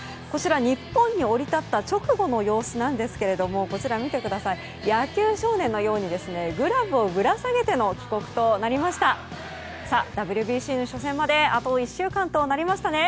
日本に降り立った直後の様子なんですが見てください、野球少年のようにグラブをぶら提げての帰国となりましたＷＢＣの初戦まであと１週間となりましたね。